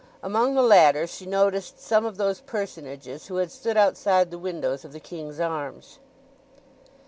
Among the latter she noticed some of those personages who had stood outside the windows of the King's Arms.